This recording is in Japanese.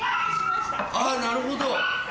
ああなるほど。